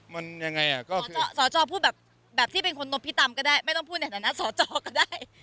มันยังไงอ่ะก็สจพูดแบบที่เป็นคนนบพิตำก็ได้ไม่ต้องพูดในฐานะสอจอก็ได้